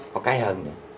có cái hơn nữa